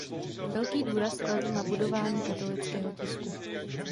Velký důraz kladl na budování katolického tisku.